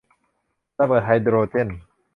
ระเบิดไฮโดรเจน